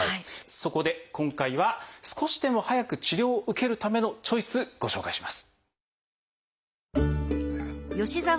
そこで今回は少しでも早く治療を受けるためのチョイスご紹介します。